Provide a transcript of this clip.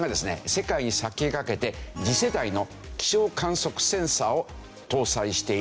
世界に先駆けて次世代の気象観測センサーを搭載している。